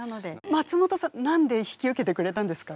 松本さん何で引き受けてくれたんですか？